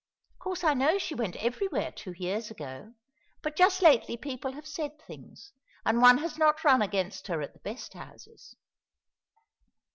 Of course, I know she went everywhere two years ago; but just lately people have said things; and one has not run against her at the best houses."